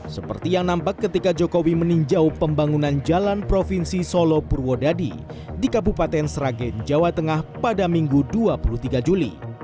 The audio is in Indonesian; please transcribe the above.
seperti yang nampak ketika jokowi meninjau pembangunan jalan provinsi solo purwodadi di kabupaten sragen jawa tengah pada minggu dua puluh tiga juli